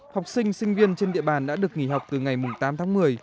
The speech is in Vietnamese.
học sinh sinh viên trên địa bàn đã được nghỉ học từ ngày tám tháng một mươi